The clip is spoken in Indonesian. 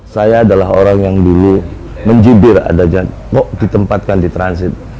saya adalah orang yang dulu menjibir ada jadwal mau ditempatkan di transit